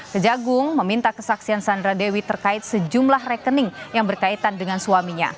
kejagung meminta kesaksian sandra dewi terkait sejumlah rekening yang berkaitan dengan suaminya